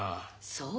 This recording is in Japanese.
そう。